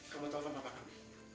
kamu telfon bapak